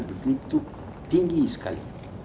begitu tinggi sekali